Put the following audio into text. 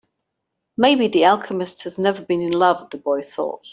Maybe the alchemist has never been in love, the boy thought.